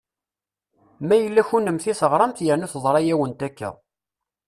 Ma yella kunemti teɣramt yerna teḍra-yawent akka.